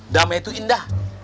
damai itu indah